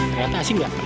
ternyata asing gak